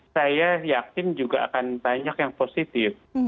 saya yakin juga akan banyak yang positif